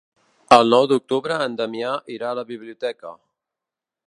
El nou d'octubre en Damià irà a la biblioteca.